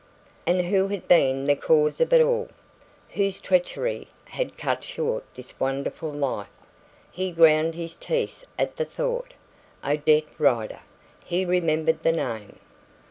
And who had been the cause of it all? Whose treachery had cut short this wonderful life? He ground his teeth at the thought. Odette Rider! He remembered the name.